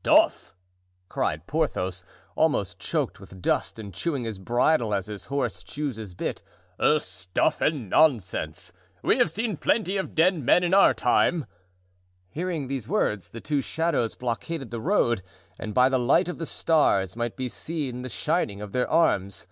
"Stuff!" cried Porthos, almost choked with dust and chewing his bridle as a horse chews his bit. "Stuff and nonsense; we have seen plenty of dead men in our time." Hearing these words, the two shadows blockaded the road and by the light of the stars might be seen the shining of their arms.